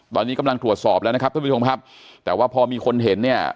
ตอนนี้กำลังตรวจสอบแล้วนะครับท่านผู้ชมครับแต่ว่าพอมีคนเห็นเนี่ย